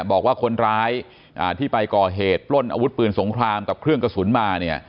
บอกว่าคนร้ายที่ไปก่อเหตุปล้นอาวุธปืนสงครามกับเครื่องกระสุนมาเนี่ย